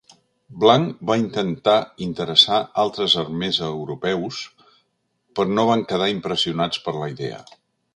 Blanc va intentar interessar altres armers europeus, però no van quedar impressionats per la idea.